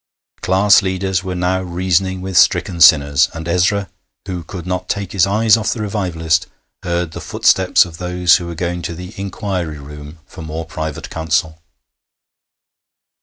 Class leaders were now reasoning with stricken sinners, and Ezra, who could not take his eyes off the revivalist, heard the footsteps of those who were going to the 'inquiry room' for more private counsel.